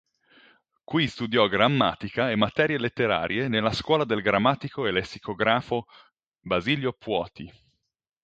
Qui studiò grammatica e materie letterarie nella scuola del grammatico e lessicografo Basilio Puoti.